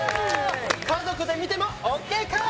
家族で見てもＯＫ！